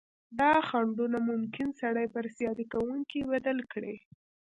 دا خنډونه ممکن سړی پر سیالي کوونکي بدل کړي.